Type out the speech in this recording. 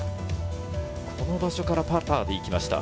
この場所からパターで行きました。